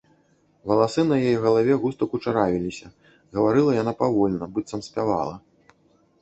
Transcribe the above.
Валасы на яе галаве густа кучаравіліся, гаварыла яна павольна, быццам спявала.